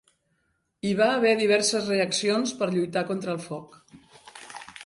Hi va haver diverses reaccions per lluitar contra el foc.